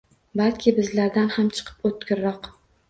Balki bizlardan ham chiqib o’tkirroq